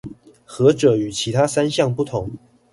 何者與其他三項不同？